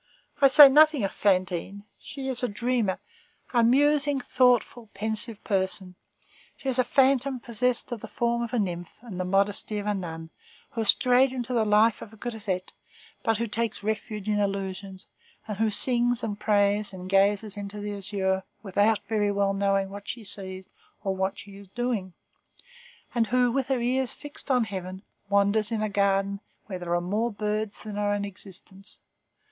I say nothing of Fantine; she is a dreamer, a musing, thoughtful, pensive person; she is a phantom possessed of the form of a nymph and the modesty of a nun, who has strayed into the life of a grisette, but who takes refuge in illusions, and who sings and prays and gazes into the azure without very well knowing what she sees or what she is doing, and who, with her eyes fixed on heaven, wanders in a garden where there are more birds than are in existence.